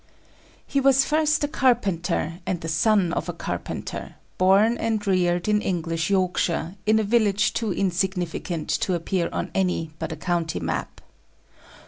He was first a carpenter, and the son of a carpenter, born and reared in English Yorkshire, in a village too insignificant to appear on any but a county map.